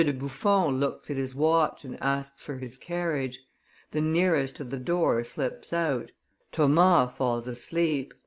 de Buffon looks at his watch and asks for his carriage; the nearest to the door slips out, Thomas falls asleep, M.